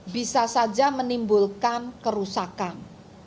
bisa saja menimbulkan kerusakan